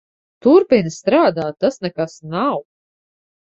Turpini strādāt. Tas nekas nav.